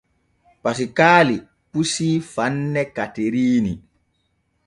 Pasikaali pusii fande Kateriini.